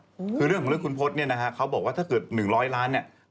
คือเรื่องของเรื่องคุณพจน์เนี่ยนะครับเขาบอกว่าถ้าเกิด๑๐๐ล้านเนี่ย